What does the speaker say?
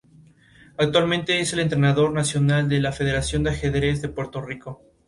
Álbum certificado como disco de oro.